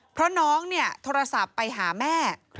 เพราะน้องโทรศัพท์ไปหาแม่